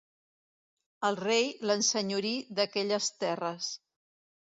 El rei l'ensenyorí d'aquelles terres.